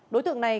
đối tượng này